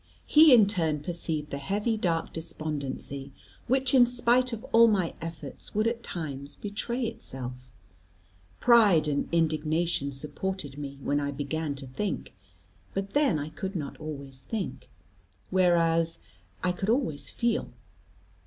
He in turn perceived the heavy dark despondency, which, in spite of all my efforts, would at times betray itself. Pride and indignation supported me, when I began to think, but then I could not always think, whereas I could always feel.